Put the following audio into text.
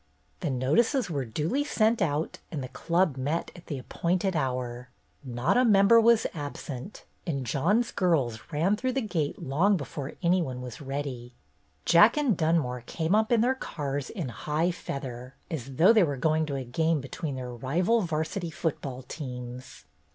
The notices were duly sent out and the Club met at the appointed hour. Not a member was absent, and John's girls ran through the gate long before any one was ready. Jack and Dunmore came up in their cars in high feather, as though they were going to a game between their rival 'varsity football teams.